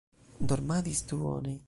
Dormadis duone.